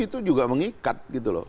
itu juga mengikat gitu loh